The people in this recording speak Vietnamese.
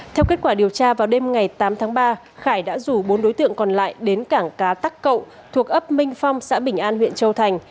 theo kết quả điều tra vào đêm ngày tám tháng ba khải đã rủ bốn đối tượng còn lại đến cảng cá tắc cậu thuộc ấp minh phong xã bình an huyện châu thành